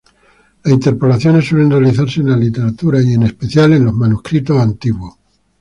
Las interpolaciones suelen realizarse en la literatura, y en especial, en manuscritos antiguos.